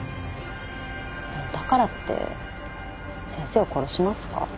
でもだからって先生を殺しますか？